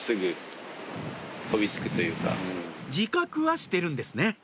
自覚はしてるんですね